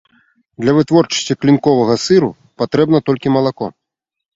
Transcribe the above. Для вытворчасці клінковага сыру патрэбна толькі малако.